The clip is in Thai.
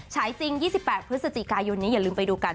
ฉายจริง๒๘พฤศจิกายนนี้อย่าลืมไปดูกัน